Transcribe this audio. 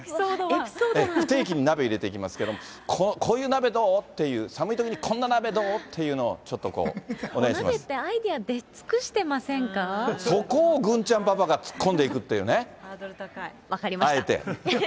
不定期に鍋入れていきますけど、こういう鍋どう？っていう、寒いときにこんな鍋どう？っていうのを、ちょっとこう、お願いしお鍋ってアイデア出尽くしてそこを郡ちゃんパパが突っ込